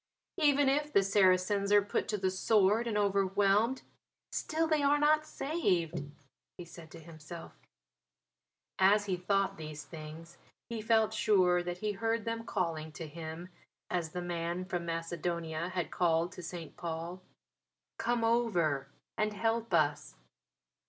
"Even if the Saracens are put to the sword and overwhelmed, still they are not saved," he said to himself. As he thought these things he felt sure that he heard them calling to him (as the Man from Macedonia had called to St. Paul) "Come over and help us."